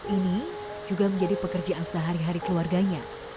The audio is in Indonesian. ini juga menjadi pekerjaan sehari hari keluarganya